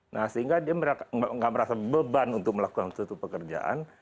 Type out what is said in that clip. nah sehingga dia nggak merasa beban untuk melakukan suatu pekerjaan